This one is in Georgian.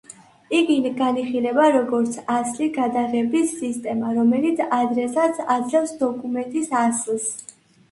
იგი განიხილება როგორც ასლის გადაღების სისტემა, რომელიც ადრესატს აძლევს დოკუმენტის ასლს.